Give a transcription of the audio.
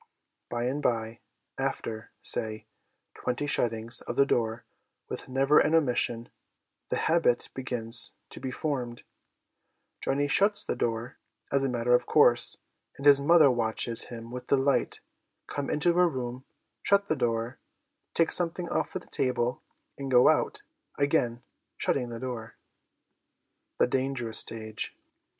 By and by, after, say, twenty shuttings of the door with never an omission, tae habit begins to be formed; Johnny shuts the door as a matter of course, and his mother watches him with delight come into a room, shut the door, take something off the table, and go out, again shutting the door. The Dangerous Stage.